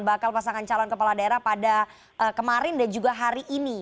bakal pasangan calon kepala daerah pada kemarin dan juga hari ini